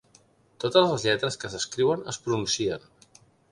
Totes les lletres que s'escriuen es pronuncien.